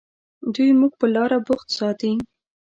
دوی موږ پر لاره بوخت ساتي.